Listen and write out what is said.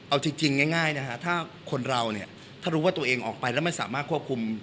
เอาจริงง่ายนะฮะถ้าคนเราเนี่ยถ้ารู้ว่าตัวเองออกไปแล้วไม่สามารถควบคุม